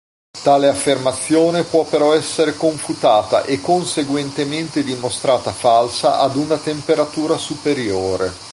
Tale affermazione può però essere confutata e conseguentemente dimostrata falsa ad una temperatura superiore.